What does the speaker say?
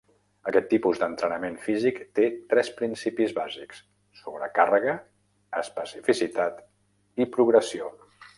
Aquest tipus d'entrenament físic té tres principis bàsics: sobrecàrrega, especificitat i progressió.